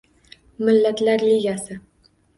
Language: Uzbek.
Millatlar Ligasi